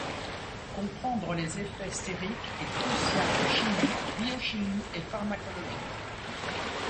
Comprendre les effets stériques est crucial en chimie, biochimie et pharmacologie.